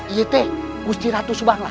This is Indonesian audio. iyete musti ratu subang lah